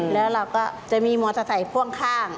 แล้วเราก็จะมีมอเตอร์ไซค์พ่วงข้าง